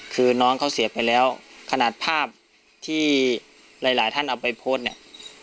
คือน้องเขาเสียไปแล้วขนาดภาพที่หลายหลายท่านเอาไปโพสต์เนี่ย